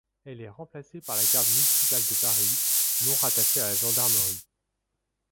Elle est remplacée par la garde municipale de Paris, non rattachée à la gendarmerie.